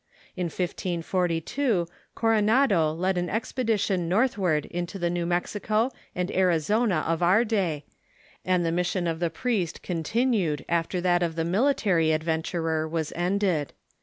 In 1542 Co ronado led an expedition northward into the New Mexico and Arizona of our day, and the mission of the priest contin ued after that of the military adventurer was ended.